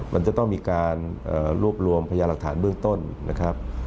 มันจะต้องมีการรวบรวมพยาหลักฐานเบื้องต้นนะครับ